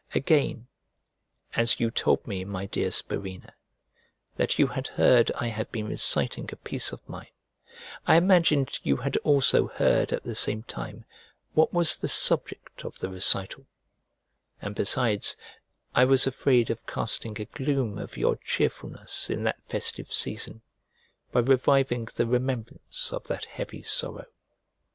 Again, as you told me, my dear Spurinna, that you had heard I had been reciting a piece of mine, I imagined you had also heard at the same time what was the subject of the recital, and besides I was afraid of casting a gloom over your cheerfulness in that festive season, by reviving the remembrance of that heavy sorrow.